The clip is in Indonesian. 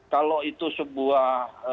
kalau itu sebuah